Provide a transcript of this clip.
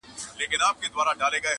د حیا ډکه مُسکا دي پاروي رنګین خیالونه,